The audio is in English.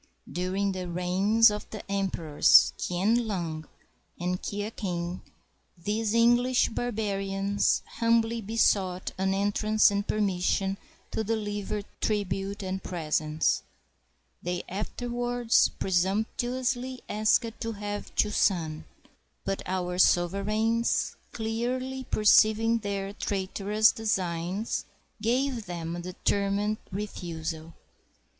During the reigns of the emperors Kien lung and Kia king these English barbarians humbly besought an entrance and permission to deliver tribute and presents ; they afterwards presumptuously asked to have Chu san; but our sovereigns, clearly perceiving their traitor ous designs, gave them a determined refusal.